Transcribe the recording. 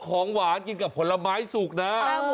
ของหวานกินกับผลไม้สุกนะ